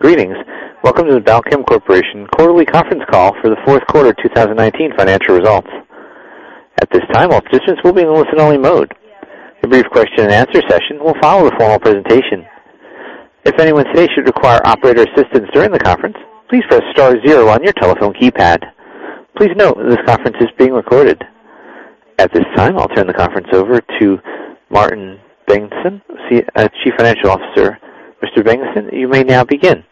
Greetings. Welcome to the Balchem Corporation Quarterly Conference Call for the Fourth Quarter 2019 Financial Results. At this time, all participants will be in listen-only mode. A brief question and answer session will follow the formal presentation. If anyone today should require operator assistance during the conference, please press star zero on your telephone keypad. Please note this conference is being recorded. At this time, I'll turn the conference over to Martin Bengtsson, Chief Financial Officer. Mr. Bengtsson, you may now begin.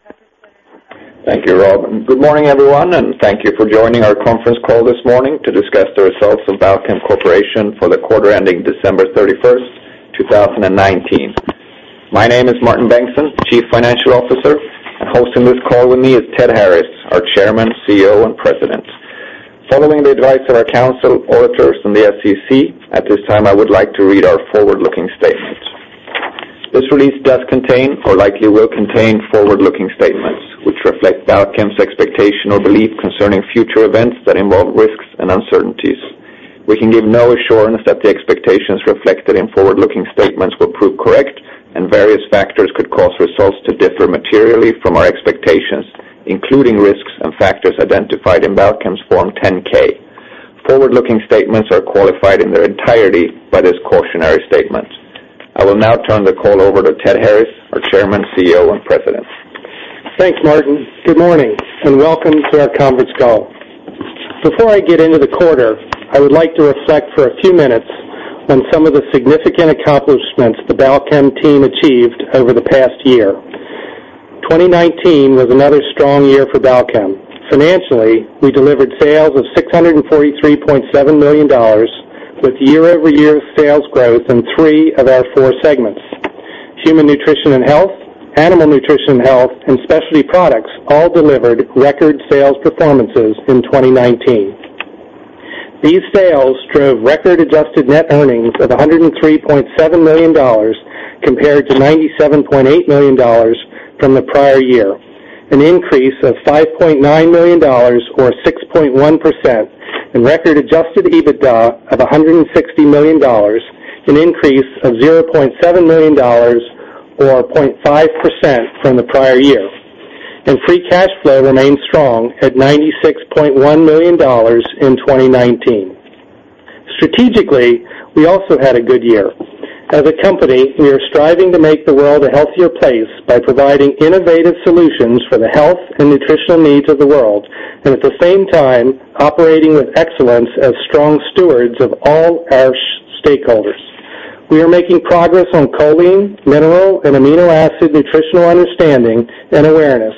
Thank you, Rob, good morning, everyone, and thank you for joining our conference call this morning to discuss the results of Balchem Corporation for the quarter ending December 31st, 2019. My name is Martin Bengtsson, Chief Financial Officer, and hosting this call with me is Ted Harris, our Chairman, CEO, and President. Following the advice of our counsel, auditors, and the SEC, at this time, I would like to read our forward-looking statement. This release does contain or likely will contain forward-looking statements which reflect Balchem's expectation or belief concerning future events that involve risks and uncertainties. We can give no assurance that the expectations reflected in forward-looking statements will prove correct, and various factors could cause results to differ materially from our expectations, including risks and factors identified in Balchem's Form 10-K. Forward-looking statements are qualified in their entirety by this cautionary statement. I will now turn the call over to Ted Harris, our Chairman, CEO, and President. Thanks, Martin. Good morning and welcome to our conference call. Before I get into the quarter, I would like to reflect for a few minutes on some of the significant accomplishments the Balchem team achieved over the past year. 2019 was another strong year for Balchem. Financially, we delivered sales of $643.7 million with year-over-year sales growth in three of our four segments. Human Nutrition & Health, Animal Nutrition & Health, and Specialty Products all delivered record sales performances in 2019. These sales drove record-adjusted net earnings of $103.7 million compared to $97.8 million from the prior year, an increase of $5.9 million or 6.1%, and record-adjusted EBITDA of $160 million, an increase of $0.7 million or 0.5% from the prior year. Free cash flow remained strong at $96.1 million in 2019. Strategically, we also had a good year. As a company, we are striving to make the world a healthier place by providing innovative solutions for the health and nutritional needs of the world and at the same time, operating with excellence as strong stewards of all our stakeholders. We are making progress on choline, mineral, and amino acid nutritional understanding and awareness.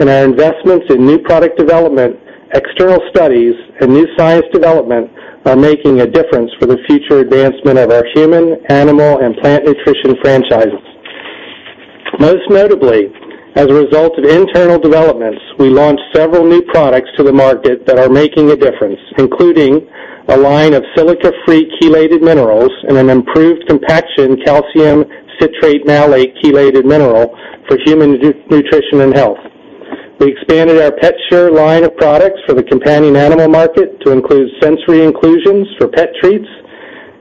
Our investments in new product development, external studies, and new science development are making a difference for the future advancement of our human, animal, and plant nutrition franchises. Most notably, as a result of internal developments, we launched several new products to the market that are making a difference, including a line of silica-free chelated minerals and an improved compaction calcium citrate malate chelated mineral for human nutrition and health. We expanded our PetShure line of products for the companion animal market to include sensory inclusions for pet treats.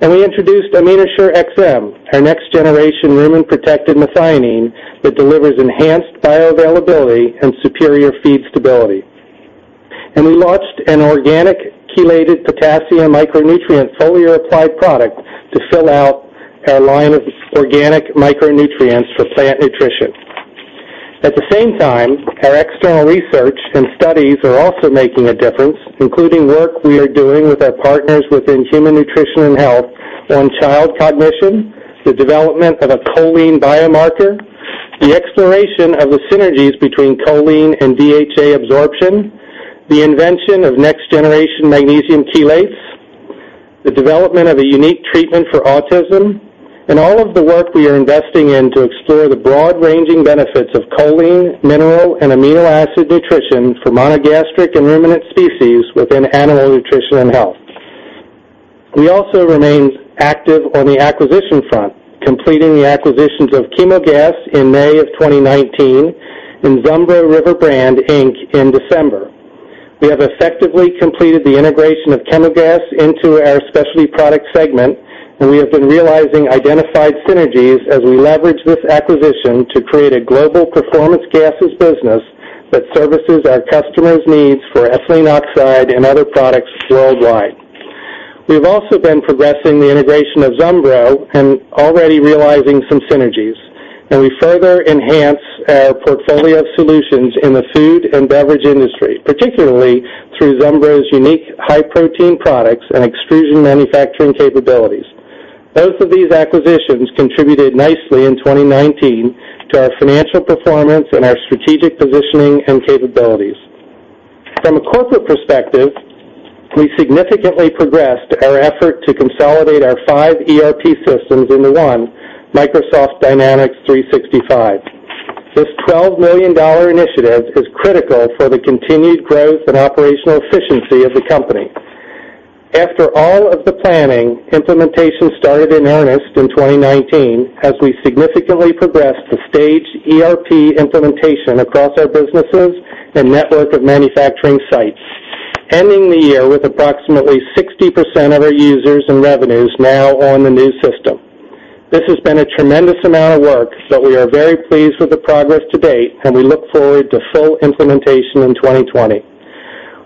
We introduced AminoShure-XM, our next-generation rumen-protected methionine that delivers enhanced bioavailability and superior feed stability. We launched an organic chelated potassium micronutrient foliar applied product to fill out our line of organic micronutrients for plant nutrition. At the same time, our external research and studies are also making a difference, including work we are doing with our partners within Human Nutrition & Health on child cognition, the development of a choline biomarker, the exploration of the synergies between choline and DHA absorption, the invention of next-generation magnesium chelates, the development of a unique treatment for autism, and all of the work we are investing in to explore the broad-ranging benefits of choline, mineral, and amino acid nutrition for monogastric and ruminant species within Animal Nutrition & Health. We also remained active on the acquisition front, completing the acquisitions of Chemogas in May of 2019 and Zumbro River Brand, Inc in December. We have effectively completed the integration of Chemogas into our specialty product segment, and we have been realizing identified synergies as we leverage this acquisition to create a global performance gases business that services our customers' needs for ethylene oxide and other products worldwide. We've also been progressing the integration of Zumbro and already realizing some synergies, and we further enhance our portfolio of solutions in the food and beverage industry, particularly through Zumbro's unique high-protein products and extrusion manufacturing capabilities. Both of these acquisitions contributed nicely in 2019 to our financial performance and our strategic positioning and capabilities. From a corporate perspective, we significantly progressed our effort to consolidate our five ERP systems into one, Microsoft Dynamics 365. This $12 million initiative is critical for the continued growth and operational efficiency of the company. After all of the planning, implementation started in earnest in 2019 as we significantly progressed the staged ERP implementation across our businesses and network of manufacturing sites, ending the year with approximately 60% of our users and revenues now on the new system. This has been a tremendous amount of work, but we are very pleased with the progress to date, and we look forward to full implementation in 2020.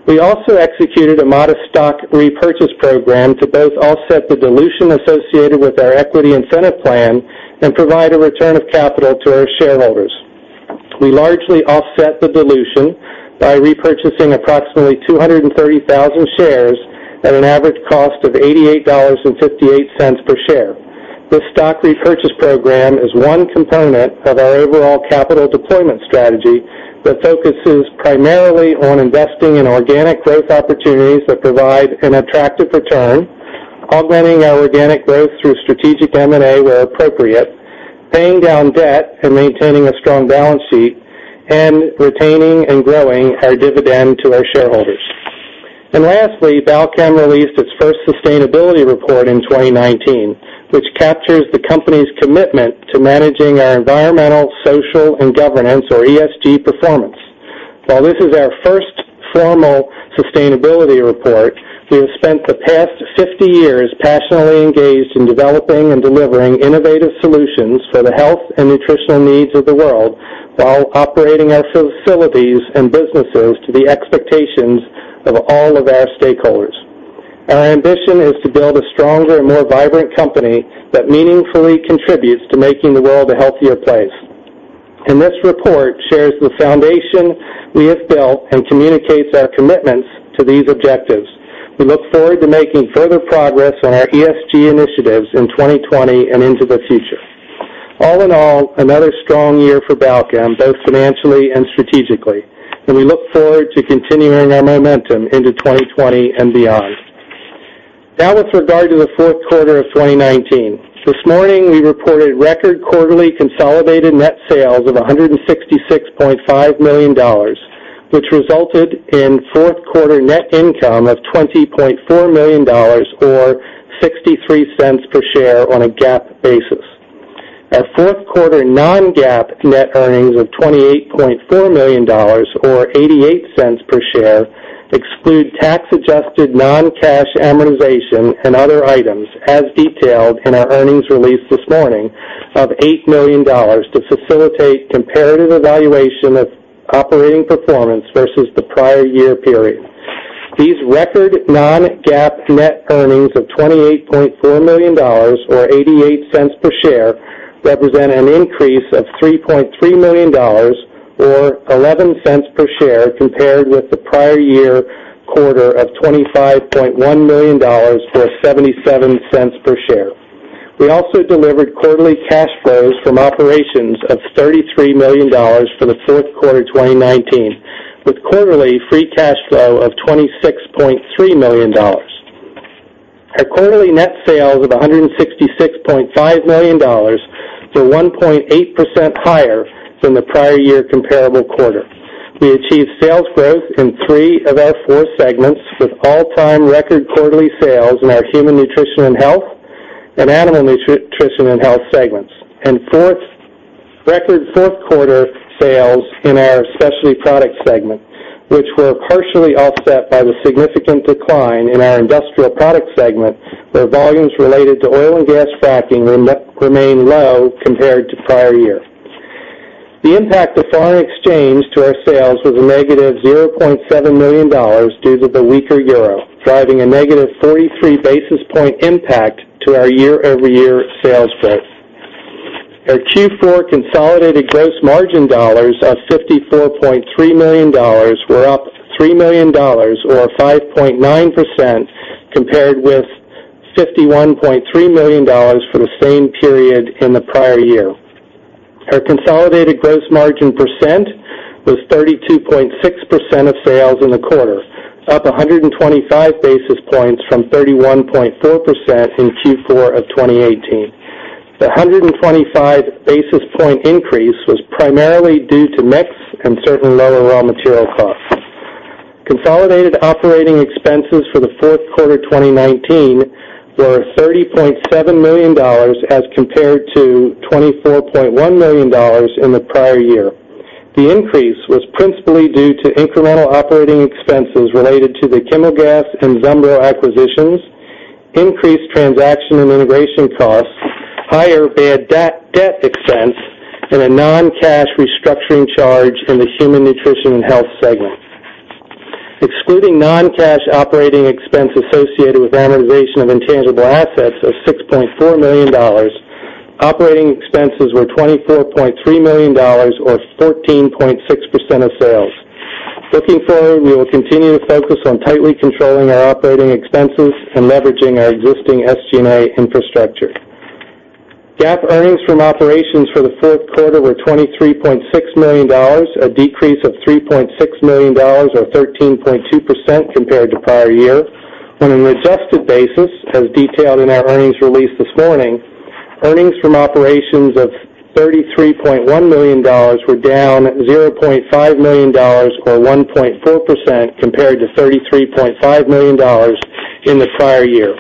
We also executed a modest stock repurchase program to both offset the dilution associated with our equity incentive plan and provide a return of capital to our shareholders. We largely offset the dilution by repurchasing approximately 230,000 shares at an average cost of $88.58 per share. This stock repurchase program is one component of our overall capital deployment strategy that focuses primarily on investing in organic growth opportunities that provide an attractive return, augmenting our organic growth through strategic M&A where appropriate, paying down debt, and maintaining a strong balance sheet, and retaining and growing our dividend to our shareholders. Lastly, Balchem released its first sustainability report in 2019, which captures the company's commitment to managing our environmental, social, and governance, or ESG, performance. While this is our first formal sustainability report, we have spent the past 50 years passionately engaged in developing and delivering innovative solutions for the health and nutritional needs of the world while operating our facilities and businesses to the expectations of all of our stakeholders. Our ambition is to build a stronger and more vibrant company that meaningfully contributes to making the world a healthier place. This report shares the foundation we have built and communicates our commitments to these objectives. We look forward to making further progress on our ESG initiatives in 2020 and into the future. All in all, another strong year for Balchem, both financially and strategically, and we look forward to continuing our momentum into 2020 and beyond. With regard to the fourth quarter of 2019. This morning, we reported record quarterly consolidated net sales of $166.5 million, which resulted in fourth quarter net income of $20.4 million, or $0.63 per share on a GAAP basis. Our fourth quarter non-GAAP net earnings of $28.4 million, or $0.88 per share, exclude tax-adjusted non-cash amortization and other items as detailed in our earnings release this morning of $8 million to facilitate comparative evaluation of operating performance versus the prior year period. These record non-GAAP net earnings of $28.4 million, or $0.88 per share, represent an increase of $3.3 million, or $0.11 per share, compared with the prior year quarter of $25.1 million, or $0.77 per share. We also delivered quarterly cash flows from operations of $33 million for the fourth quarter 2019, with quarterly free cash flow of $26.3 million. Our quarterly net sales of $166.5 million were 1.8% higher than the prior year comparable quarter. We achieved sales growth in three of our four segments, with all-time record quarterly sales in our Human Nutrition & Health and Animal Nutrition & Health segments. Record fourth quarter sales in our Specialty Product Segment, which were partially offset by the significant decline in our Industrial Product Segment, where volumes related to oil and gas fracking remain low compared to prior year. The impact of foreign exchange to our sales was a negative $0.7 million due to the weaker euro, driving a negative 33 basis point impact to our year-over-year sales growth. Our Q4 consolidated gross margin dollars of $54.3 million were up $3 million or 5.9% compared with $51.3 million for the same period in the prior year. Our consolidated gross margin percent was 32.6% of sales in the quarter, up 125 basis points from 31.4% in Q4 of 2018. The 125-basis point increase was primarily due to mix and certain lower raw material costs. Consolidated operating expenses for the fourth quarter 2019 were $30.7 million as compared to $24.1 million in the prior year. The increase was principally due to incremental operating expenses related to the Chemogas and Zumbro acquisitions, increased transaction and integration costs, higher bad debt expense, and a non-cash restructuring charge in the Human Nutrition & Health segment. Excluding non-cash operating expense associated with amortization of intangible assets of $6.4 million, operating expenses were $24.3 million or 14.6% of sales. Looking forward, we will continue to focus on tightly controlling our operating expenses and leveraging our existing SG&A infrastructure. GAAP earnings from operations for the fourth quarter were $23.6 million, a decrease of $3.6 million or 13.2% compared to prior year. On an adjusted basis, as detailed in our earnings release this morning, earnings from operations of $33.1 million were down $0.5 million or 1.4% compared to $33.5 million in the prior year.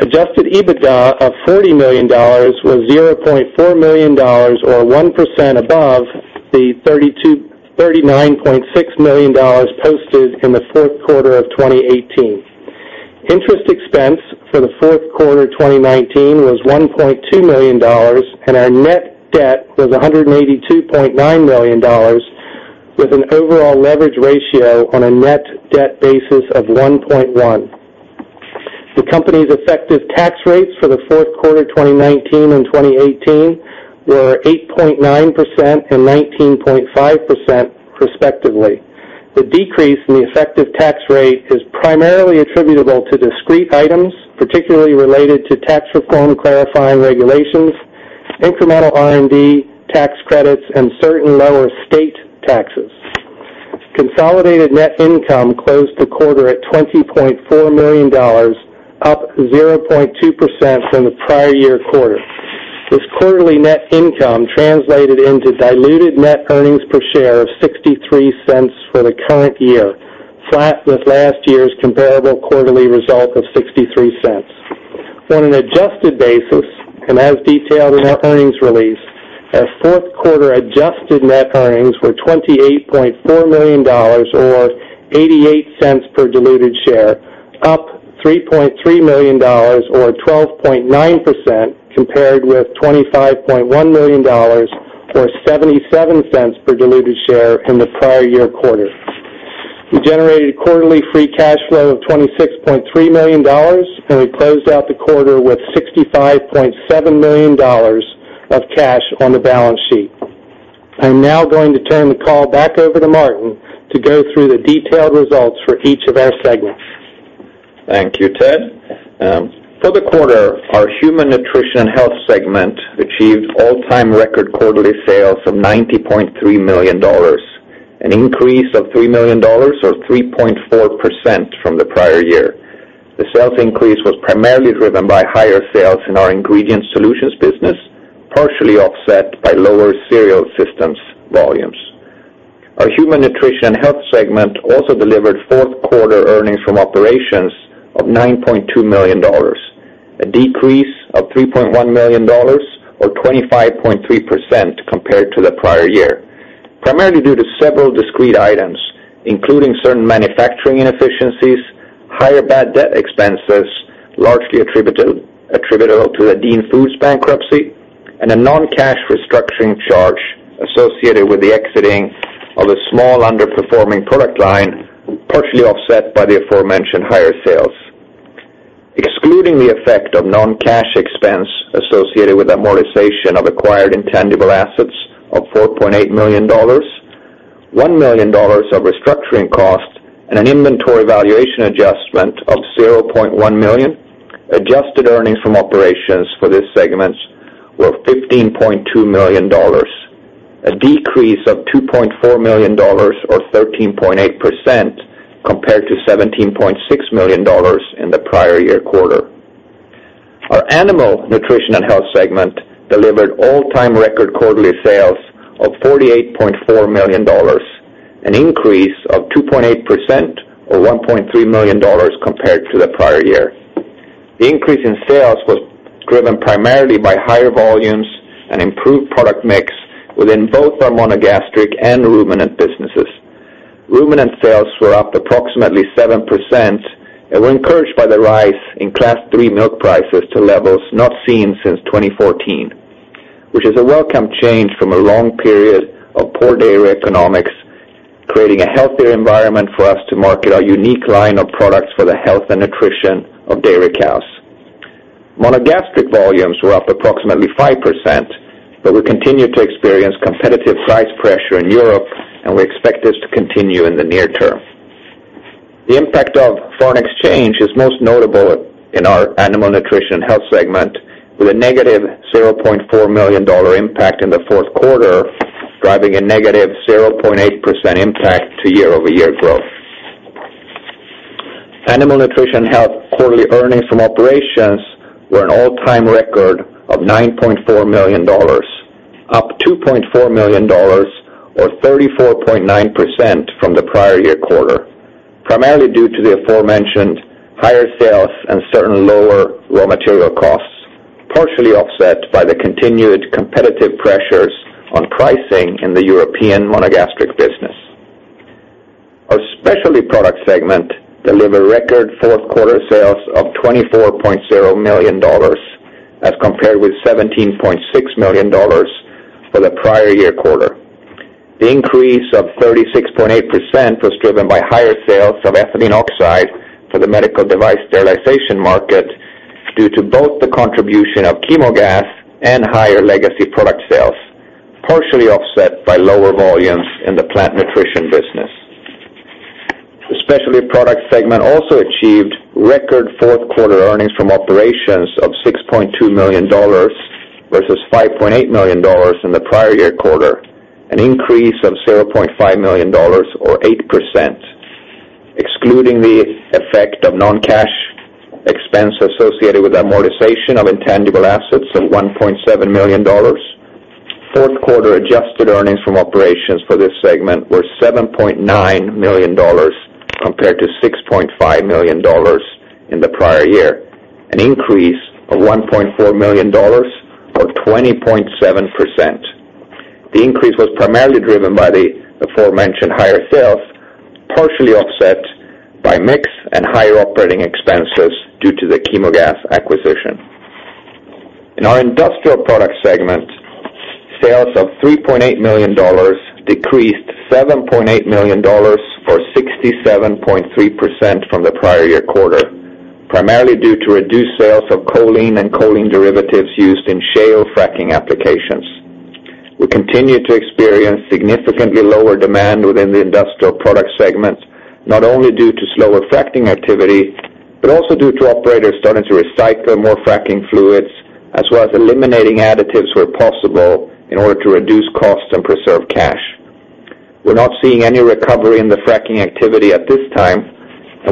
Adjusted EBITDA of $40 million was $0.4 million or 1% above the $39.6 million posted in the fourth quarter of 2018. Interest expense for the fourth quarter 2019 was $1.2 million. Our net debt was $182.9 million, with an overall leverage ratio on a net debt basis of 1.1. The company's effective tax rates for the fourth quarter 2019 and 2018 were 8.9% and 19.5% respectively. The decrease in the effective tax rate is primarily attributable to discrete items, particularly related to tax reform clarifying regulations, incremental R&D tax credits, and certain lower state taxes. Consolidated net income closed the quarter at $20.4 million, up 0.2% from the prior year quarter. This quarterly net income translated into diluted net earnings per share of $0.63 for the current year, flat with last year's comparable quarterly result of $0.63. On an adjusted basis, and as detailed in our earnings release, our fourth quarter adjusted net earnings were $28.4 million, or $0.88 per diluted share, up $3.3 million or 12.9%, compared with $25.1 million or $0.77 per diluted share from the prior year quarter. We generated quarterly free cash flow of $26.3 million, and we closed out the quarter with $65.7 million of cash on the balance sheet. I'm now going to turn the call back over to Martin to go through the detailed results for each of our segments. Thank you, Ted. For the quarter, our Human Nutrition & Health segment achieved all-time record quarterly sales of $90.3 million, an increase of $3 million or 3.4% from the prior year. The sales increase was primarily driven by higher sales in our ingredient solutions business, partially offset by lower cereal systems volumes. Our Human Nutrition & Health segment also delivered fourth quarter earnings from operations of $9.2 million, a decrease of $3.1 million or 25.3% compared to the prior year, primarily due to several discrete items, including certain manufacturing inefficiencies, higher bad debt expenses, largely attributable to the Dean Foods bankruptcy, and a non-cash restructuring charge associated with the exiting of a small underperforming product line, partially offset by the aforementioned higher sales. Excluding the effect of non-cash expense associated with amortization of acquired intangible assets of $4.8 million, $1 million of restructuring costs, and an inventory valuation adjustment of $0.1 million, adjusted earnings from operations for this segment were $15.2 million. A decrease of $2.4 million or 13.8%, compared to $17.6 million in the prior year quarter. Our Animal Nutrition & Health segment delivered all-time record quarterly sales of $48.4 million, an increase of 2.8% or $1.3 million compared to the prior year. The increase in sales was driven primarily by higher volumes and improved product mix within both our monogastric and ruminant businesses. Ruminant sales were up approximately 7% and were encouraged by the rise in Class III milk prices to levels not seen since 2014, which is a welcome change from a long period of poor dairy economics, creating a healthier environment for us to market our unique line of products for the health and nutrition of dairy cows. Monogastric volumes were up approximately 5%, but we continue to experience competitive price pressure in Europe, and we expect this to continue in the near term. The impact of foreign exchange is most notable in our animal nutrition health segment, with a negative $0.4 million impact in the fourth quarter, driving a negative 0.8% impact to year-over-year growth. Animal Nutrition & Health quarterly earnings from operations were an all-time record of $9.4 million, up $2.4 million or 34.9% from the prior year quarter, primarily due to the aforementioned higher sales and certain lower raw material costs, partially offset by the continued competitive pressures on pricing in the European monogastric business. Our Specialty Products segment delivered record fourth quarter sales of $24.7 million as compared with $17.6 million for the prior year quarter. The increase of 36.8% was driven by higher sales of ethylene oxide for the medical device sterilization market due to both the contribution of Chemogas and higher legacy product sales, partially offset by lower volumes in the plant nutrition business. The Specialty Products segment also achieved record fourth quarter earnings from operations of $6.2 million versus $5.8 million in the prior year quarter, an increase of $0.5 million or 8%. Excluding the effect of non-cash expense associated with amortization of intangible assets of $1.7 million, fourth quarter adjusted earnings from operations for this segment were $7.9 million compared to $6.5 million in the prior year, an increase of $1.4 million or 20.7%. The increase was primarily driven by the aforementioned higher sales, partially offset by mix and higher operating expenses due to the Chemogas acquisition. In our industrial product segment, sales of $3.8 million decreased $7.8 million or 67.3% from the prior year quarter, primarily due to reduced sales of choline and choline derivatives used in shale fracking applications. We continue to experience significantly lower demand within the industrial product segment, not only due to slower fracking activity, but also due to operators starting to recycle more fracking fluids, as well as eliminating additives where possible in order to reduce costs and preserve cash. We're not seeing any recovery in the fracking activity at this time.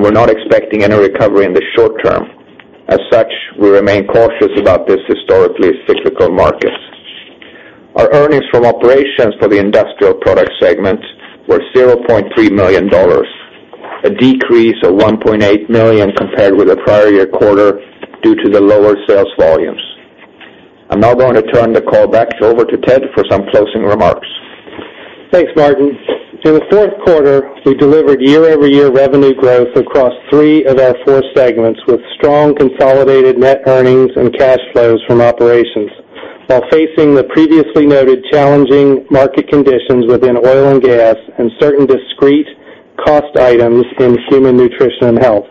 We're not expecting any recovery in the short term. As such, we remain cautious about this historically cyclical market. Our earnings from operations for the industrial product segment were $0.3 million, a decrease of $1.8 million compared with the prior year quarter due to the lower sales volumes. I'm now going to turn the call back over to Ted for some closing remarks. Thanks, Martin. In the fourth quarter, we delivered year-over-year revenue growth across three of our four segments, with strong consolidated net earnings and cash flows from operations while facing the previously noted challenging market conditions within oil and gas and certain discrete cost items in human nutrition and health.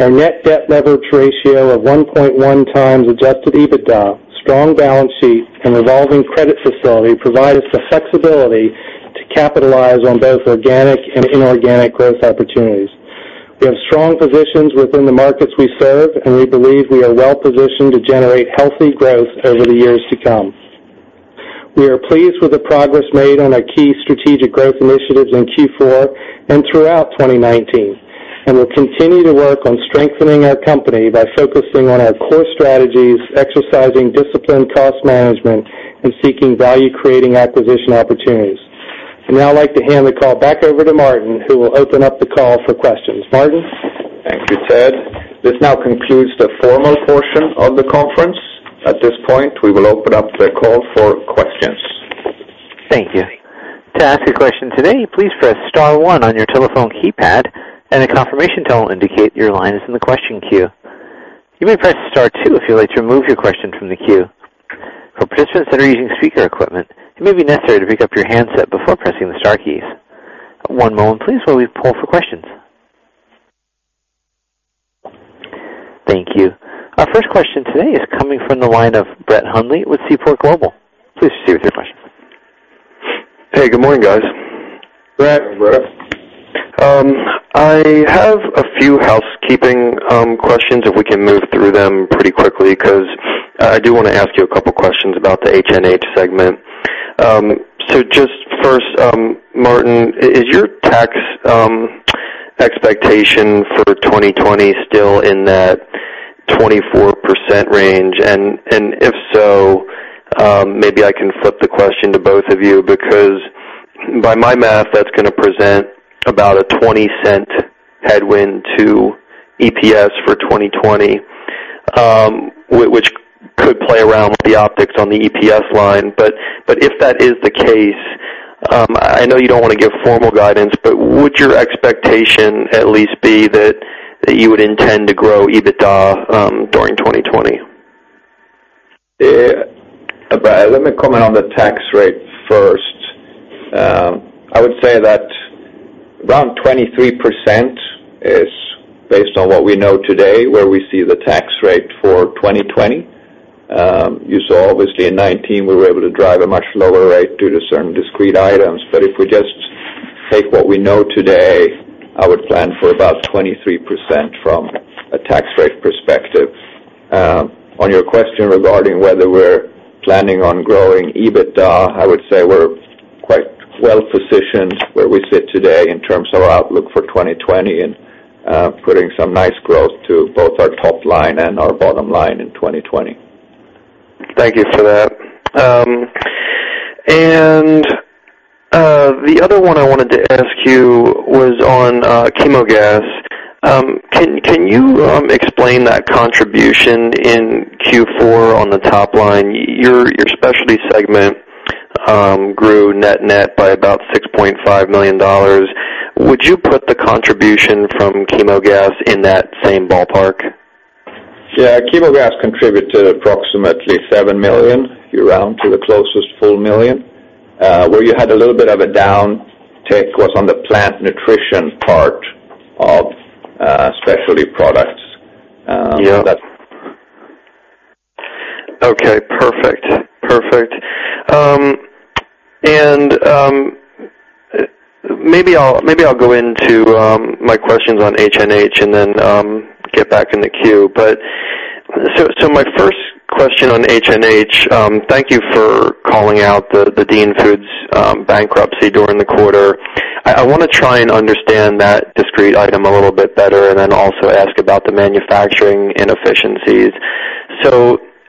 Our net debt leverage ratio of 1.1 times adjusted EBITDA, strong balance sheet, and revolving credit facility provide us the flexibility to capitalize on both organic and inorganic growth opportunities. We have strong positions within the markets we serve, and we believe we are well-positioned to generate healthy growth over the years to come. We are pleased with the progress made on our key strategic growth initiatives in Q4 and throughout 2019, and will continue to work on strengthening our company by focusing on our core strategies, exercising disciplined cost management, and seeking value-creating acquisition opportunities. I'd now like to hand the call back over to Martin, who will open up the call for questions. Martin? Thank you, Ted. This now concludes the formal portion of the conference. At this point, we will open up the call for questions. Thank you. To ask a question today, please press star one on your telephone keypad, and a confirmation tone will indicate your line is in the question queue. You may press star two if you'd like to remove your question from the queue. For participants that are using speaker equipment, it may be necessary to pick up your handset before pressing the star keys. One moment please, while we poll for questions. Thank you. Our first question today is coming from the line of Brett Hundley with Seaport Global. Please proceed with your question. Hey, good morning, guys. Brett. Hi, Brett. I have a few housekeeping questions, if we can move through them pretty quickly, because I do want to ask you a couple questions about the HNH segment. Just first, Martin, is your tax expectation for 2020 still in that 24% range? If so, maybe I can flip the question to both of you, because by my math, that's going to present about a $0.20 headwind to EPS for 2020, which could play around with the optics on the EPS line. If that is the case, I know you don't want to give formal guidance, but would your expectation at least be that you would intend to grow EBITDA during 2020? Brett, let me comment on the tax rate first. I would say that around 23% is based on what we know today, where we see the tax rate for 2020. You saw, obviously, in 2019, we were able to drive a much lower rate due to certain discrete items. If we just take what we know today, I would plan for about 23% from a tax rate perspective. On your question regarding whether we're planning on growing EBITDA, I would say we're quite well positioned where we sit today in terms of our outlook for 2020 and putting some nice growth to both our top line and our bottom line in 2020. Thank you for that. The other one I wanted to ask you was on Chemogas. Can you explain that contribution in Q4 on the top line? Your specialty segment grew net by about $6.5 million. Would you put the contribution from Chemogas in that same ballpark? Yeah. Chemogas contributed approximately $7 million, if you round to the closest full million. Where you had a little bit of a downtick was on the plant nutrition part of specialty products. Yeah. Okay. Perfect. Maybe I'll go into my questions on HNH and then get back in the queue. My first question on HNH, thank you for calling out the Dean Foods bankruptcy during the quarter. I want to try and understand that discrete item a little bit better and then also ask about the manufacturing inefficiencies.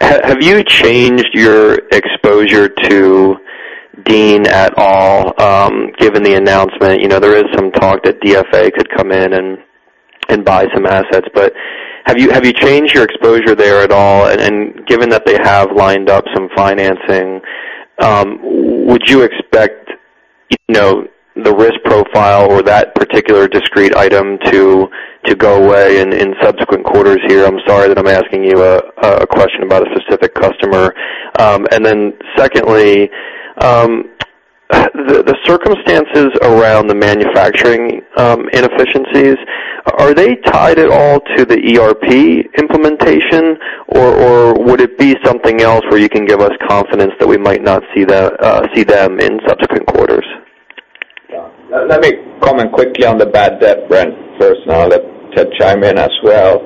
Have you changed your exposure to Dean at all, given the announcement. There is some talk that DFA could come in and buy some assets. Have you changed your exposure there at all? Given that they have lined up some financing, would you expect the risk profile or that particular discrete item to go away in subsequent quarters here? I'm sorry that I'm asking you a question about a specific customer. Secondly, the circumstances around the manufacturing inefficiencies, are they tied at all to the ERP implementation, or would it be something else where you can give us confidence that we might not see them in subsequent quarters? Let me comment quickly on the bad debt, Brett, first. I'll let Ted chime in as well.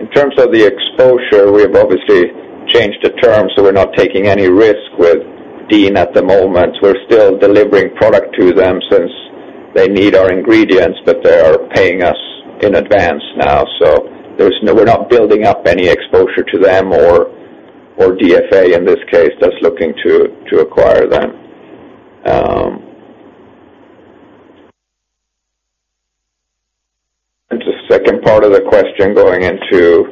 In terms of the exposure, we've obviously changed the terms, so we're not taking any risk with Dean at the moment. We're still delivering product to them since they need our ingredients, they are paying us in advance now. We're not building up any exposure to them or DFA in this case, that's looking to acquire them. To the second part of the question, going into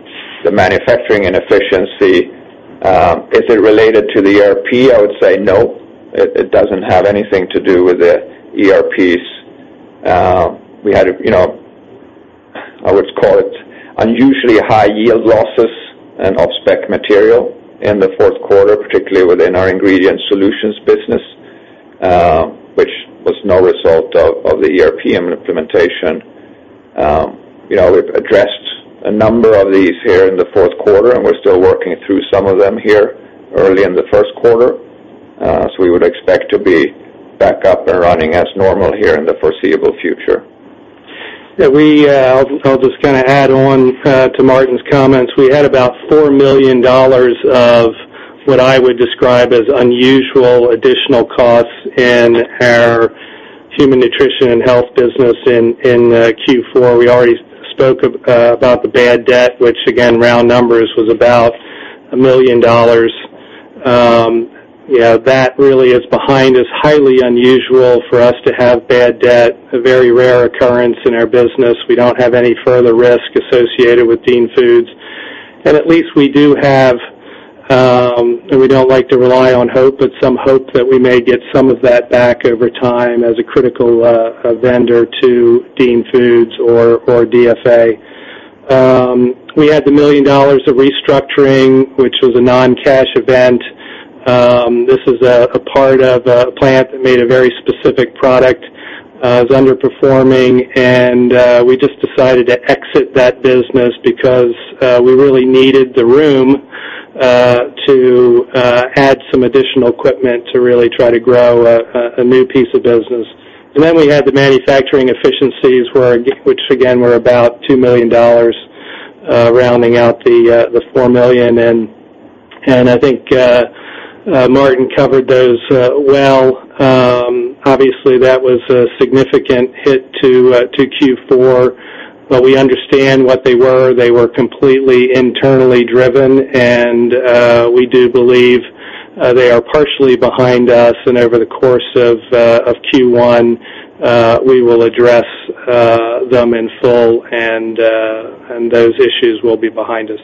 the manufacturing inefficiency, is it related to the ERP? I would say no. It doesn't have anything to do with the ERPs. We had, I would call it unusually high yield losses and off-spec material in the fourth quarter, particularly within our ingredient solutions business, which was no result of the ERP implementation. We've addressed a number of these here in the fourth quarter, and we're still working through some of them here early in the first quarter. We would expect to be back up and running as normal here in the foreseeable future. Yeah. I'll just add on to Martin's comments. We had about $4 million of what I would describe as unusual additional costs in our Human Nutrition & Health business in Q4. We already spoke about the bad debt, which again, round numbers, was about $1 million. That really is behind. It's highly unusual for us to have bad debt, a very rare occurrence in our business. We don't have any further risk associated with Dean Foods. At least we do have, and we don't like to rely on hope, but some hope that we may get some of that back over time as a critical vendor to Dean Foods or DFA. We had the $1 million of restructuring, which was a non-cash event. This is a part of a plant that made a very specific product, was underperforming. We just decided to exit that business because we really needed the room to add some additional equipment to really try to grow a new piece of business. We had the manufacturing efficiencies, which again, were about $2 million, rounding out the $4 million. I think Martin covered those well. Obviously, that was a significant hit to Q4. We understand what they were. They were completely internally driven. We do believe they are partially behind us. Over the course of Q1, we will address them in full, and those issues will be behind us.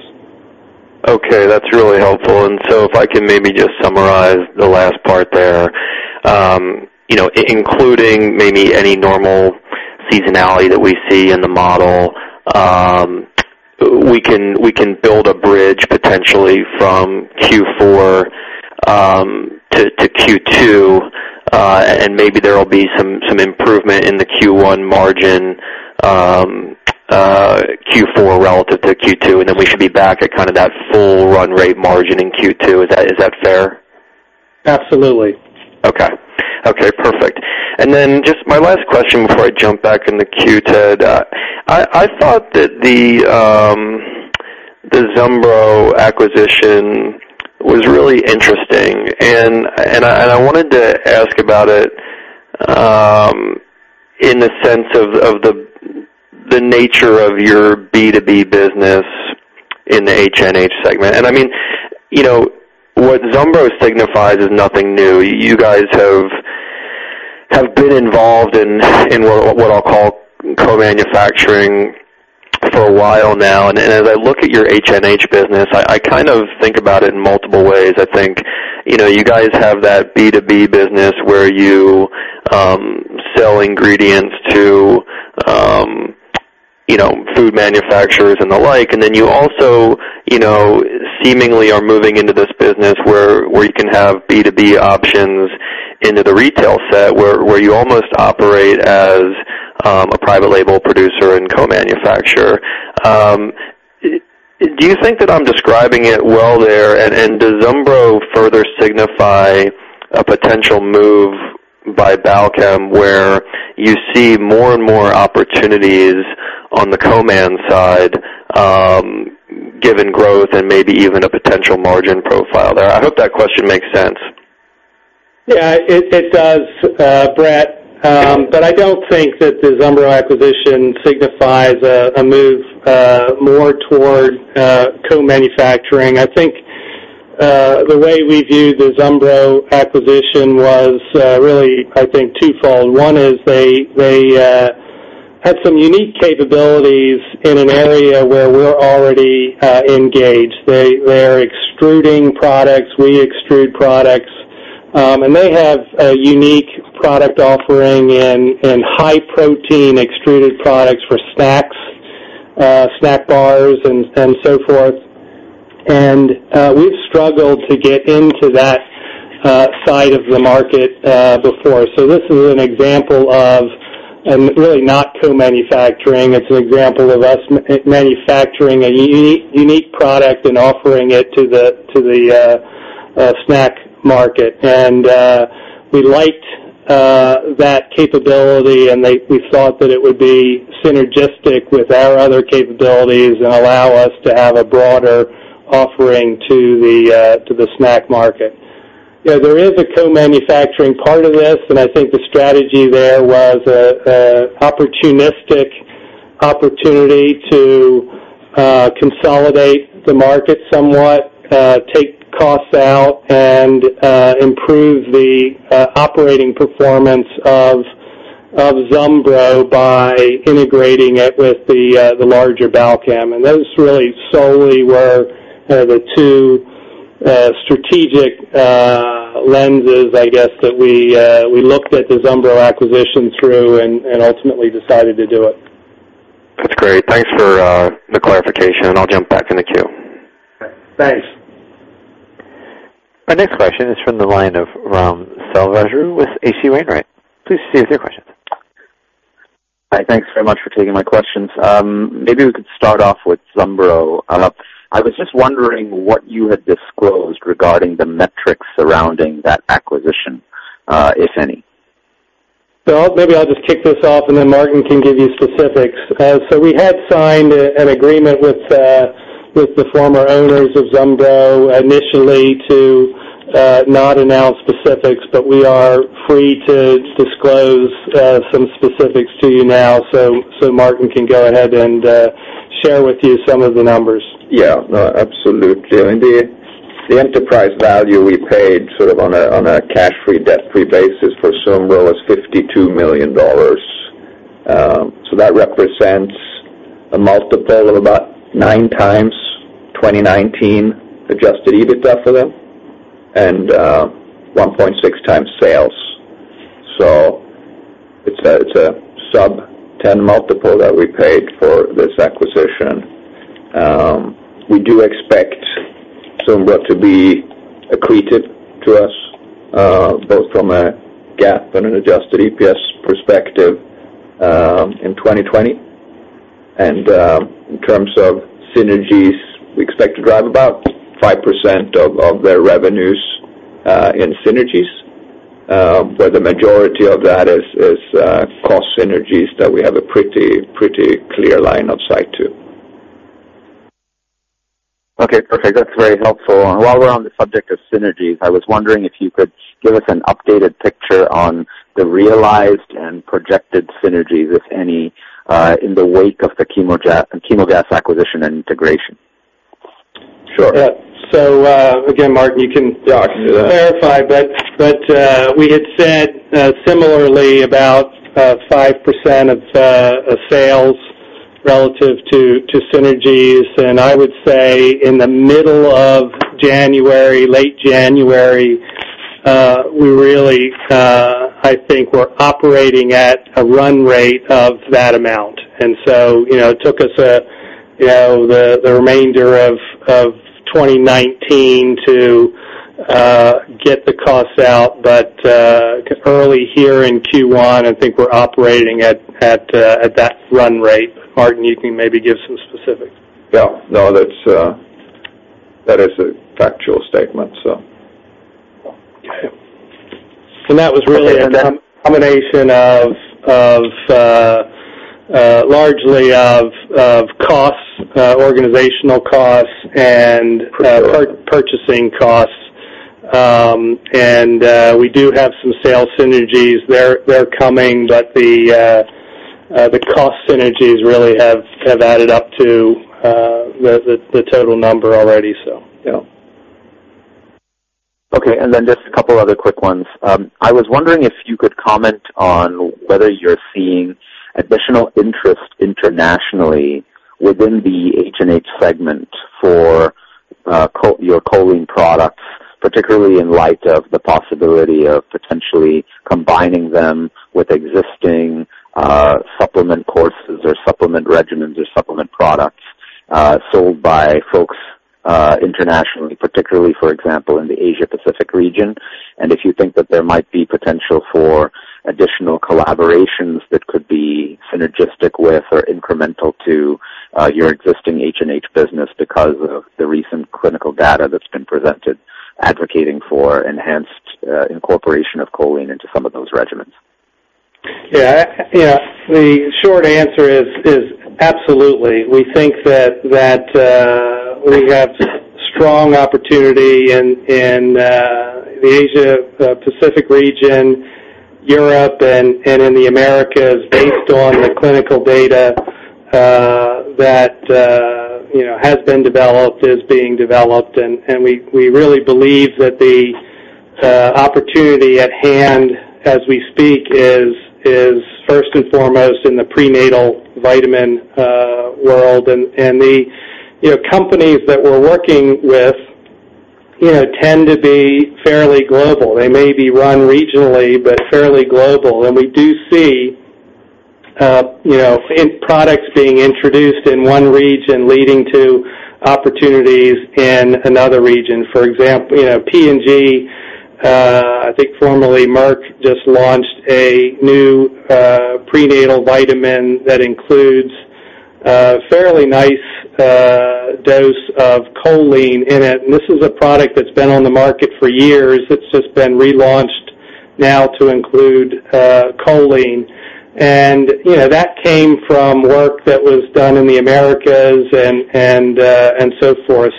Okay. That's really helpful. If I can maybe just summarize the last part there. Including maybe any normal seasonality that we see in the model, we can build a bridge potentially from Q4 to Q2, and maybe there'll be some improvement in the Q1 margin, Q4 relative to Q2, and then we should be back at kind of that full run rate margin in Q2. Is that fair? Absolutely. Okay. Perfect. Then just my last question before I jump back in the queue, Ted. I thought that the Zumbro acquisition was really interesting, and I wanted to ask about it in the sense of the nature of your B2B business in the HNH segment. I mean, what Zumbro signifies is nothing new. You guys have been involved in what I'll call co-manufacturing for a while now, and as I look at your HNH business, I kind of think about it in multiple ways. I think you guys have that B2B business where you sell ingredients to food manufacturers and the like, and then you also seemingly are moving into this business where you can have B2B options into the retail set, where you almost operate as a private label producer and co-manufacturer. Do you think that I'm describing it well there? Does Zumbro further signify a potential move by Balchem where you see more and more opportunities on the co-man side, given growth and maybe even a potential margin profile there? I hope that question makes sense. Yeah, it does, Brett. I don't think that the Zumbro acquisition signifies a move more toward co-manufacturing. I think the way we viewed the Zumbro acquisition was really, I think, twofold. One is they had some unique capabilities in an area where we're already engaged. They're extruding products, we extrude products. They have a unique product offering in high-protein extruded products for snacks, snack bars, and so forth. We've struggled to get into that side of the market before. This is an example of really not co-manufacturing. It's an example of us manufacturing a unique product and offering it to the snack market. We liked that capability, and we thought that it would be synergistic with our other capabilities and allow us to have a broader offering to the snack market. There is a co-manufacturing part of this. I think the strategy there was an opportunistic opportunity to consolidate the market somewhat, take costs out, and improve the operating performance of Zumbro by integrating it with the larger Balchem. Those really solely were the two strategic lenses, I guess, that we looked at the Zumbro acquisition through and ultimately decided to do it. That's great. Thanks for the clarification. I'll jump back in the queue. Okay, thanks. Our next question is from the line of Ram Selvaraju with H.C. Wainwright. Please proceed with your questions. Hi, thanks very much for taking my questions. We could start off with Zumbro. I was just wondering what you had disclosed regarding the metrics surrounding that acquisition, if any. Maybe I'll just kick this off, and then Martin can give you specifics. We had signed an agreement with the former owners of Zumbro initially to not announce specifics, but we are free to disclose some specifics to you now. Martin can go ahead and share with you some of the numbers. Yeah. No, absolutely. I mean, the enterprise value we paid sort of on a cash-free, debt-free basis for Zumbro was $52 million. That represents a multiple of about nine times 2019 adjusted EBITDA for them and 1.6 times sales. It's a sub-10 multiple that we paid for this acquisition. We do expect Zumbro to be accretive to us, both from a GAAP and an adjusted EPS perspective, in 2020. In terms of synergies, we expect to drive about 5% of their revenues in synergies. Where the majority of that is cost synergies that we have a pretty clear line of sight to. Okay, perfect. That's very helpful. While we're on the subject of synergies, I was wondering if you could give us an updated picture on the realized and projected synergies, if any, in the wake of the Chemogas acquisition and integration. Sure. Again, Martin- Yeah, I can do that. -Clarify. We had said similarly about 5% of sales relative to synergies. I would say in the middle of January, late January, we really, I think we're operating at a run rate of that amount. It took us the remainder of 2019 to get the costs out. Early here in Q1, I think we're operating at that run rate. Martin, you can maybe give some specifics. Yeah. No, that is a factual statement, so. Cool. Okay. That was really a combination largely of costs, organizational costs. For sure. Purchasing costs. We do have some sales synergies. They're coming. The cost synergies really have added up to the total number already. Yeah. Okay. Just a couple of other quick ones. I was wondering if you could comment on whether you're seeing additional interest internationally within the HNH segment for your choline products, particularly in light of the possibility of potentially combining them with existing supplement courses or supplement regimens or supplement products sold by folks internationally, particularly, for example, in the Asia Pacific region. If you think that there might be potential for additional collaborations that could be synergistic with or incremental to your existing HNH business because of the recent clinical data that's been presented advocating for enhanced incorporation of choline into some of those regimens. Yeah. The short answer is absolutely. We think that we have strong opportunity in the Asia Pacific region, Europe, and in the Americas based on the clinical data that has been developed, is being developed. We really believe that the opportunity at hand as we speak is first and foremost in the prenatal vitamin world. The companies that we're working with tend to be fairly global. They may be run regionally, but fairly global. We do see products being introduced in one region leading to opportunities in another region. For example, P&G, I think formerly Merck, just launched a new prenatal vitamin that includes a fairly nice dose of choline in it. This is a product that's been on the market for years. It's just been relaunched now to include choline. That came from work that was done in the Americas and so forth.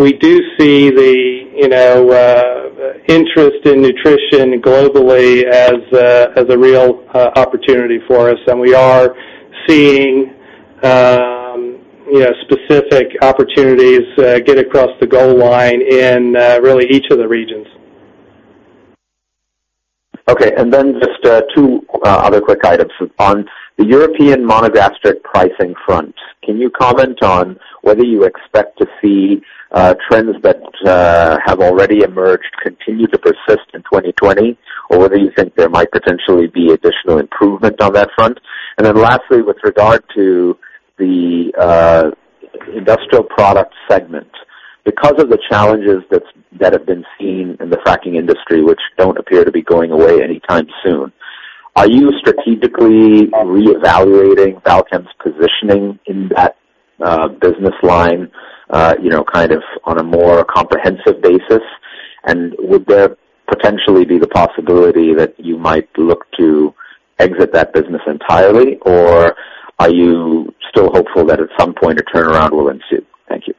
We do see the interest in nutrition globally as a real opportunity for us. We are seeing specific opportunities get across the goal line in really each of the regions. Okay. Just two other quick items. On the European monogastric pricing front, can you comment on whether you expect to see trends that have already emerged continue to persist in 2020, or whether you think there might potentially be additional improvement on that front? Lastly, with regard to the industrial product segment, because of the challenges that have been seen in the fracking industry, which don't appear to be going away anytime soon, are you strategically reevaluating Balchem's positioning in that business line on a more comprehensive basis? Would there potentially be the possibility that you might look to exit that business entirely, or are you still hopeful that at some point a turnaround will ensue? Thank you.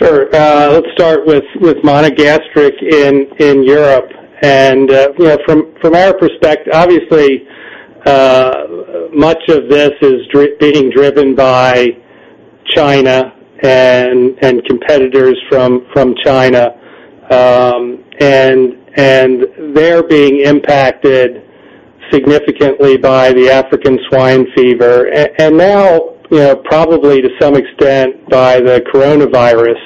Sure. Let's start with monogastric in Europe. From our perspective, obviously, much of this is being driven by China and competitors from China. They're being impacted significantly by the African swine fever, and now, probably to some extent by the coronavirus.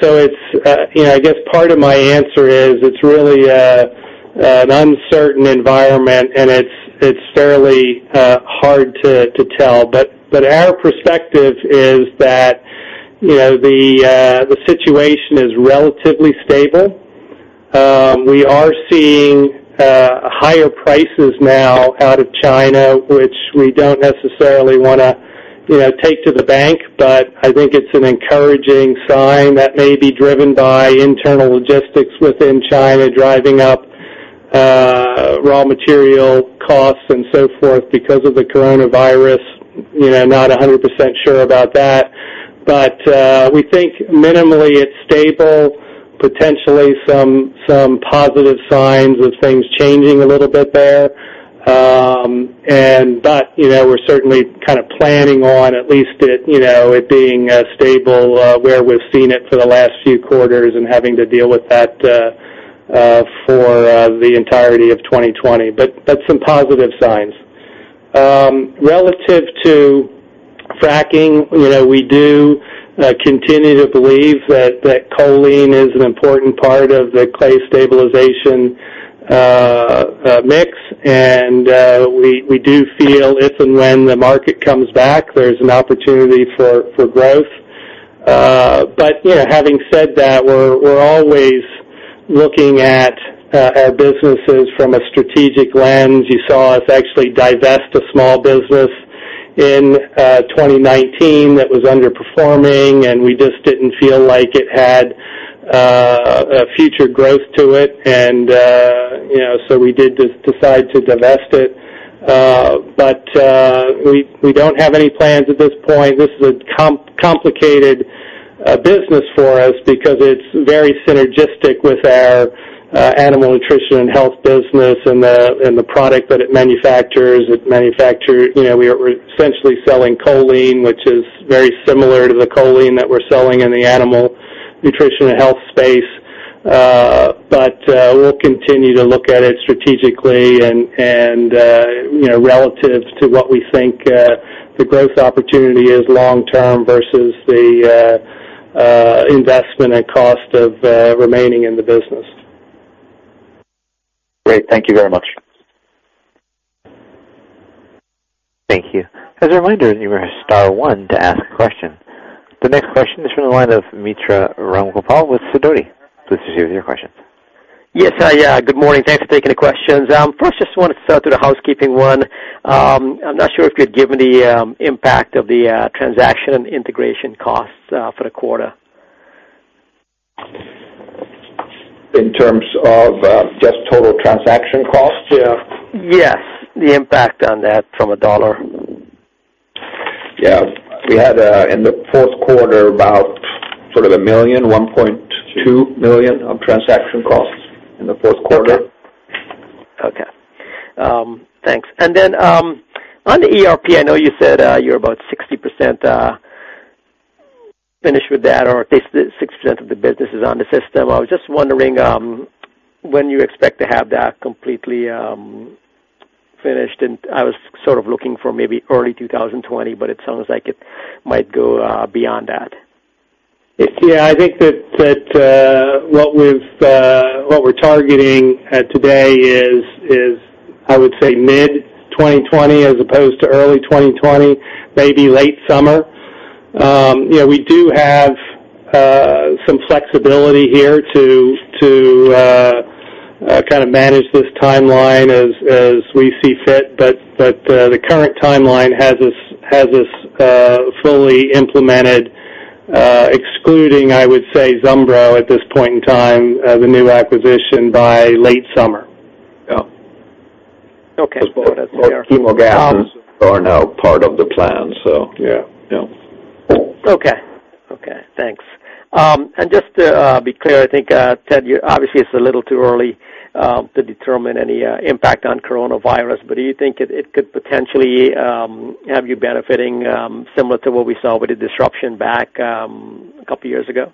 So I guess part of my answer is it's really an uncertain environment and it's fairly hard to tell. Our perspective is that the situation is relatively stable. We are seeing higher prices now out of China, which we don't necessarily want to take to the bank, but I think it's an encouraging sign that may be driven by internal logistics within China driving up raw material costs and so forth because of the coronavirus. Not 100% sure about that. We think minimally it's stable, potentially some positive signs of things changing a little bit there. We're certainly planning on at least it being stable where we've seen it for the last few quarters and having to deal with that for the entirety of 2020. That's some positive signs. Relative to fracking, we do continue to believe that choline is an important part of the clay stabilization mix. We do feel if and when the market comes back, there's an opportunity for growth. Having said that, we're always looking at our businesses from a strategic lens. You saw us actually divest a small business in 2019 that was underperforming, and we just didn't feel like it had future growth to it. We did decide to divest it. We don't have any plans at this point. This is a complicated business for us because it's very synergistic with our Animal Nutrition & Health business and the product that it manufactures. We're essentially selling choline, which is very similar to the choline that we're selling in the animal nutrition and health space. We'll continue to look at it strategically and relative to what we think the growth opportunity is long term versus the investment and cost of remaining in the business. Great. Thank you very much. Thank you. As a reminder, you may star one to ask a question. The next question is from the line of Mitra Ramgopal with Sidoti. Please proceed with your question. Yes. Good morning. Thanks for taking the questions. First, just wanted to start with a housekeeping one. I'm not sure if you had given the impact of the transaction and integration costs for the quarter. In terms of just total transaction costs? Yes. The impact on that from a dollar- Yeah. We had in the fourth quarter, about sort of $1 million, $1.2 million of transaction costs in the fourth quarter. Okay. Thanks. On the ERP, I know you said you're about 60% finished with that, or at least 60% of the business is on the system. I was just wondering when you expect to have that completely finished. I was sort of looking for maybe early 2020, but it sounds like it might go beyond that. Yeah, I think that what we're targeting today is, I would say mid-2020 as opposed to early 2020, maybe late summer. We do have some flexibility here to kind of manage this timeline as we see fit. The current timeline has us fully implemented, excluding, I would say, Zumbro at this point in time, the new acquisition, by late summer. Okay. Both Chemogas are now part of the plan. Yeah. Yeah. Okay. Thanks. Just to be clear, I think, Ted, obviously it's a little too early to determine any impact on coronavirus, but do you think it could potentially have you benefiting similar to what we saw with the disruption back a couple of years ago?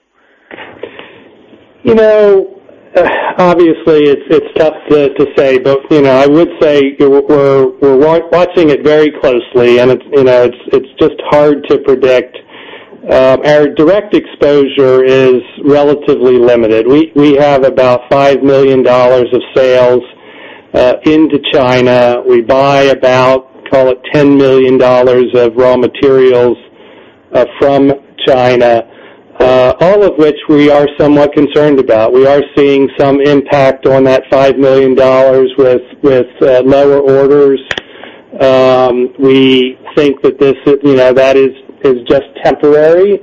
Obviously, it's tough to say, but I would say we're watching it very closely, and it's just hard to predict. Our direct exposure is relatively limited. We have about $5 million of sales into China. We buy about, call it, $10 million of raw materials from China, all of which we are somewhat concerned about. We are seeing some impact on that $5 million with lower orders. We think that is just temporary.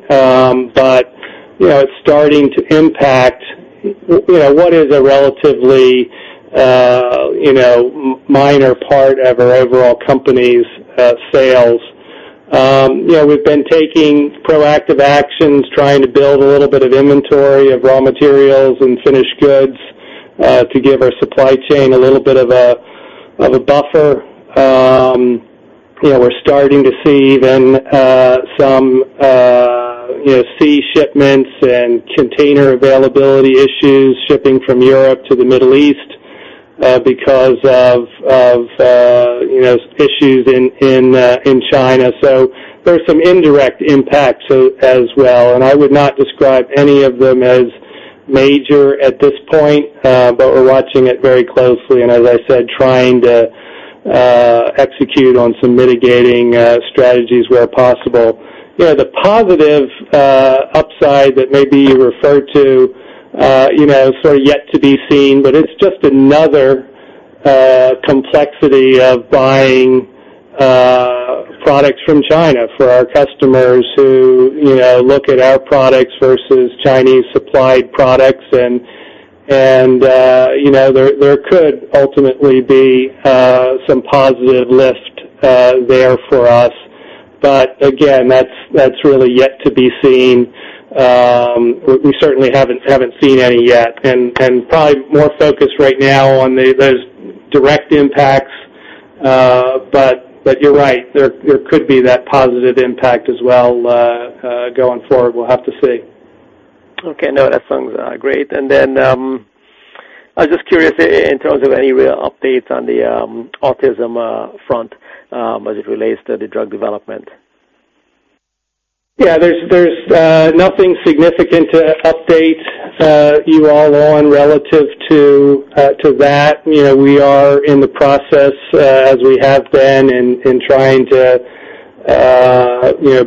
It's starting to impact what is a relatively minor part of our overall company's sales. We've been taking proactive actions, trying to build a little bit of inventory of raw materials and finished goods to give our supply chain a little bit of a buffer. We're starting to see some sea shipments and container availability issues shipping from Europe to the Middle East because of issues in China. There's some indirect impacts as well, and I would not describe any of them as major at this point. We're watching it very closely, and as I said, trying to execute on some mitigating strategies where possible. The positive upside that maybe you referred to is sort of yet to be seen, but it's just another complexity of buying products from China for our customers who look at our products versus Chinese-supplied products. There could ultimately be some positive lift there for us. Again, that's really yet to be seen. We certainly haven't seen any yet. Probably more focused right now on those direct impacts. You're right. There could be that positive impact as well going forward. We'll have to see. Okay. No, that sounds great. I was just curious in terms of any real updates on the autism front as it relates to the drug development? Yeah, there's nothing significant to update you all on relative to that. We are in the process, as we have been, in trying to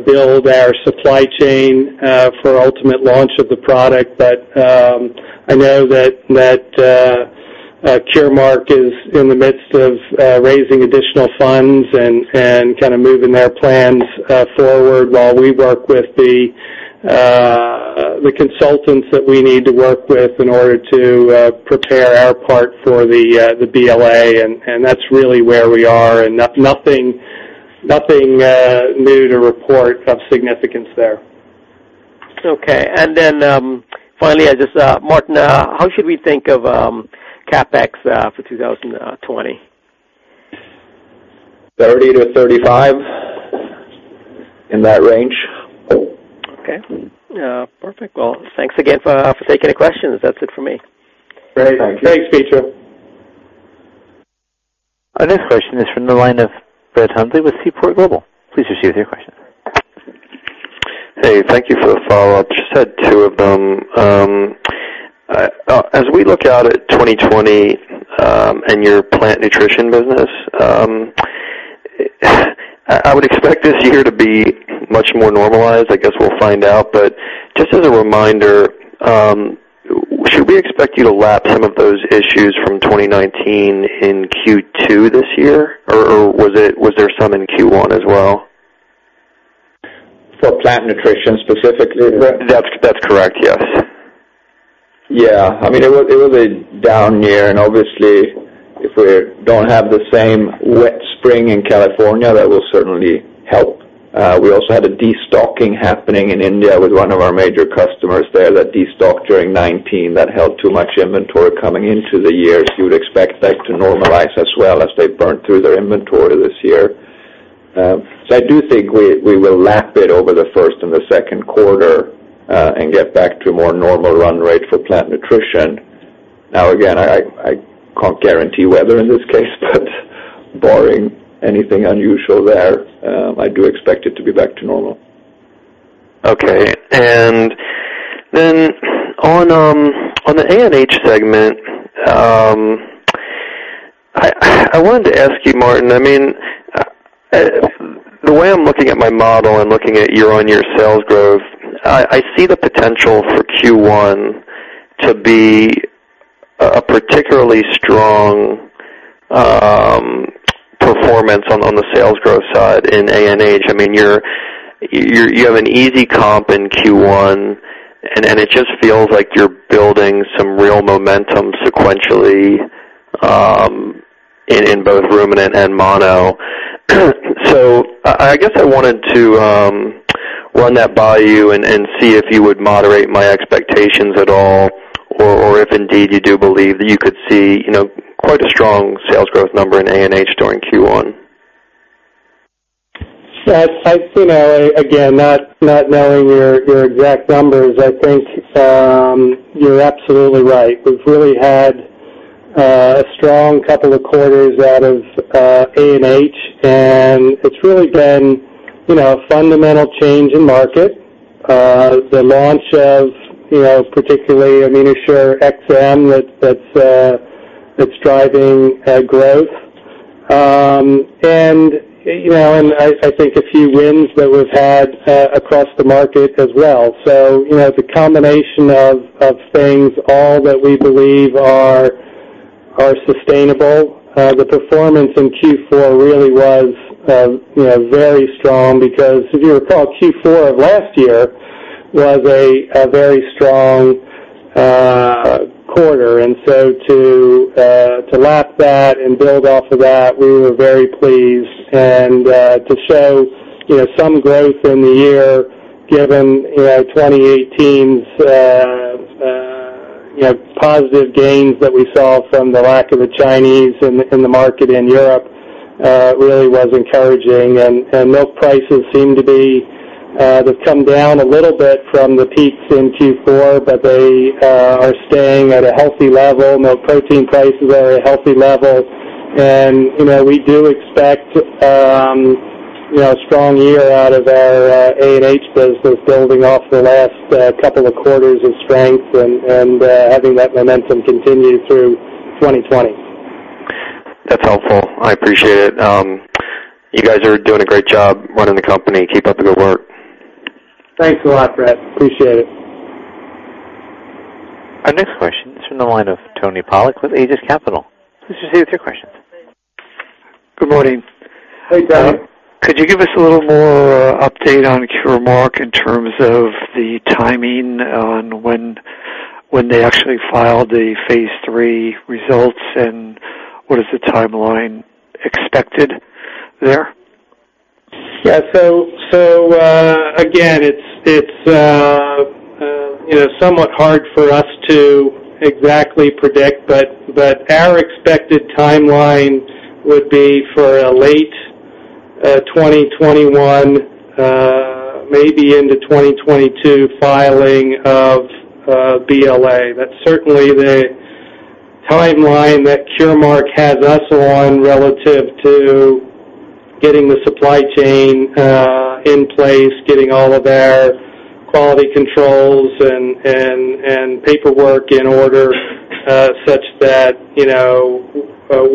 build our supply chain for ultimate launch of the product. I know that Curemark is in the midst of raising additional funds and kind of moving their plans forward while we work with the consultants that we need to work with in order to prepare our part for the BLA, and that's really where we are, and nothing new to report of significance there. Okay. Then finally, Martin, how should we think of CapEx for 2020? 30-35. In that range. Okay. Perfect. Well, thanks again for taking the questions. That's it for me. Great. Thank you. Thanks, Mitra. Our next question is from the line of Brett Hundley with Seaport Global. Please proceed with your question. Hey, thank you. For the follow-up, just had two of them. As we look out at 2020 and your plant nutrition business, I would expect this year to be much more normalized. I guess we'll find out. Just as a reminder, should we expect you to lap some of those issues from 2019 in Q2 this year, or was there some in Q1 as well? For plant nutrition specifically, is that? That's correct, yes. Yeah. It was a down year. Obviously, if we don't have the same wet spring in California, that will certainly help. We also had a de-stocking happening in India with one of our major customers there that de-stocked during 2019, that held too much inventory coming into the year. You would expect that to normalize as well, as they burn through their inventory this year. I do think we will lap it over the first and the second quarter and get back to a more normal run rate for plant nutrition. Now, again, I can't guarantee weather in this case, barring anything unusual there, I do expect it to be back to normal. Okay. On the ANH segment, I wanted to ask you, Martin. The way I'm looking at my model and looking at year-on-year sales growth, I see the potential for Q1 to be a particularly strong performance on the sales growth side in ANH. You have an easy comp in Q1, and it just feels like you're building some real momentum sequentially in both Ruminant and Mono. I guess I wanted to run that by you and see if you would moderate my expectations at all, or if indeed you do believe that you could see quite a strong sales growth number in ANH during Q1. Again, not knowing your exact numbers, I think you're absolutely right. We've really had a strong couple of quarters out of ANH, and it's really been a fundamental change in market. The launch of, particularly, AminoShure-XM, that's driving growth. I think a few wins that we've had across the market as well. It's a combination of things, all that we believe are sustainable. The performance in Q4 really was very strong because if you recall, Q4 of last year was a very strong quarter. To lap that and build off of that, we were very pleased. To show some growth in the year, given 2018's positive gains that we saw from the lack of the Chinese in the market in Europe really was encouraging. Milk prices seem to have come down a little bit from the peaks in Q4, but they are staying at a healthy level. Milk protein prices are at a healthy level. We do expect a strong year out of our ANH business, building off the last couple of quarters of strength and having that momentum continue through 2020. That's helpful. I appreciate it. You guys are doing a great job running the company. Keep up the good work. Thanks a lot, Brett. Appreciate it. Our next question is from the line of Tony Polak with Aegis Capital. Please proceed with your questions. Good morning. Hey, Tony. Could you give us a little more update on Curemark in terms of the timing on when they actually filed the phase III results, and what is the timeline expected there? Yeah. Again, it's somewhat hard for us to exactly predict, but our expected timeline would be for a late 2021, maybe into 2022 filing of BLA. That's certainly the timeline that Curemark has us on relative to getting the supply chain in place, getting all of our quality controls and paperwork in order such that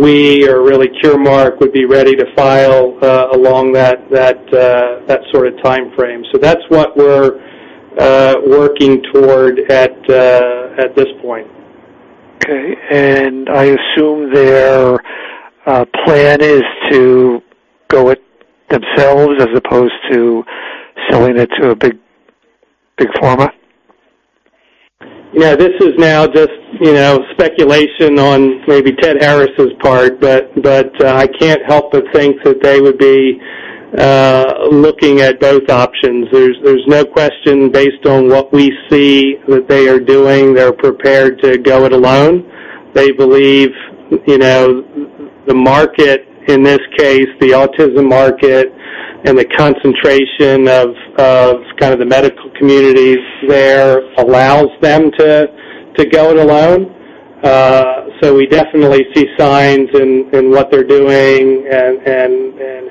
we, or really Curemark, would be ready to file along that sort of timeframe. That's what we're working toward at this point. Okay. I assume their plan is to go it themselves as opposed to selling it to a big pharma? This is now just speculation on maybe Ted Harris' part, but I can't help but think that they would be looking at both options. There's no question, based on what we see that they are doing, they're prepared to go it alone. They believe the market, in this case, the autism market, and the concentration of the medical communities there allows them to go it alone. We definitely see signs in what they're doing and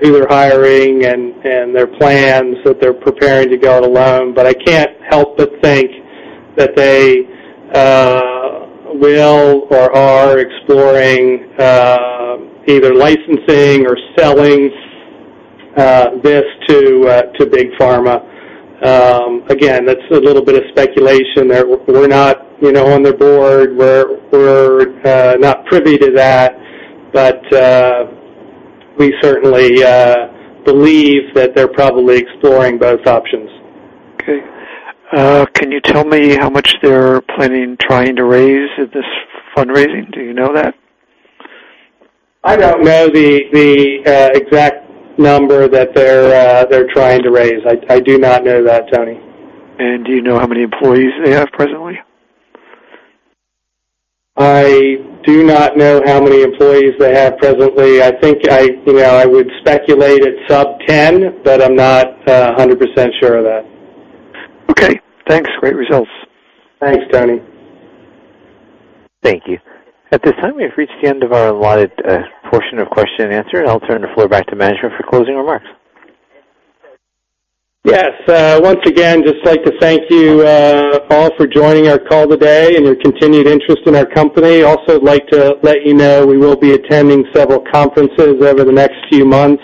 who they're hiring and their plans that they're preparing to go it alone. I can't help but think that they will or are exploring either licensing or selling this to big pharma. Again, that's a little bit of speculation there. We're not on their board. We're not privy to that, but we certainly believe that they're probably exploring both options. Okay. Can you tell me how much they're planning trying to raise at this fundraising? Do you know that? I don't know the exact number that they're trying to raise. I do not know that, Tony. Do you know how many employees they have presently? I do not know how many employees they have presently. I think I would speculate it's sub-10, but I'm not 100% sure of that. Okay. Thanks. Great results. Thanks, Tony. Thank you. At this time, we have reached the end of our allotted portion of question and answer. I'll turn the floor back to management for closing remarks. Yes. Once again, just like to thank you all for joining our call today and your continued interest in our company. I'd like to let you know we will be attending several conferences over the next few months.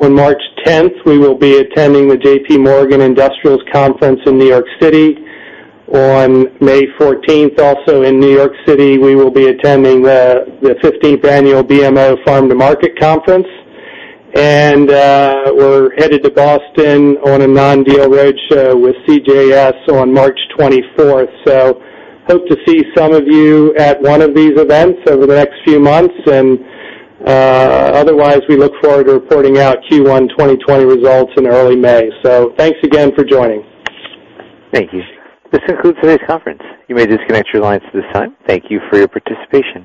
On March 10th, we will be attending the JPMorgan Industrials Conference in N.Y.C. On May 14th, also in N.Y.C., we will be attending the 15th Annual BMO Farm to Market Conference. We're headed to Boston on a non-deal roadshow with CJS on March 24th. Hope to see some of you at one of these events over the next few months. Otherwise, we look forward to reporting out Q1 2020 results in early May. Thanks again for joining. Thank you. This concludes today's conference. You may disconnect your lines at this time. Thank you for your participation.